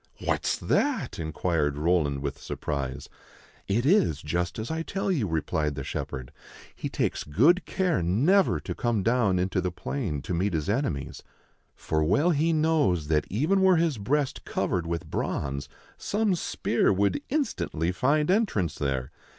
"What's that?" inquired Roland, with surprise. " It is just as I tell you," replied the shepherd. " He takes good care never to come down into the plain to meet his enemies ; for well he knows that, even were his breast covered with bronze, some spear would instantly find entrance there.